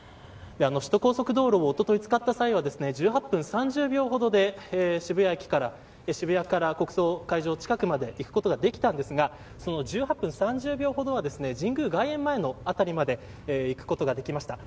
首都高速道路を一昨日使った際は１８分３０秒ほどで渋谷から国葬会場近くまで行くことができたんですがその１８分３０秒ほどで神宮外苑前の辺りまで行くことができました。